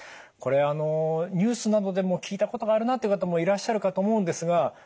これあのニュースなどでも聞いたことがあるなっていう方もいらっしゃるかと思うんですが